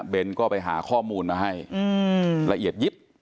เป็นก็ไปหาข้อมูลมาให้ละเอียดยิบ